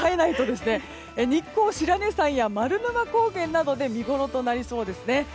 日光白根山や丸沼高原などで見ごろとなりそうですね。